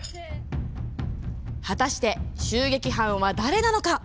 果たして襲撃犯は誰なのか？